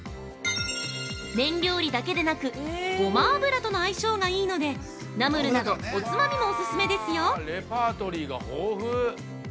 麺料理だけでなく、ごま油との相性がいいので、ナムルなど、おつまみもお勧めですよ！